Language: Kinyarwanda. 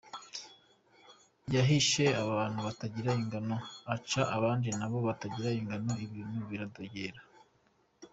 Yahishe abantu batagira ingano, ahaca abandi na bo batagira ingano, ibintu biradogera!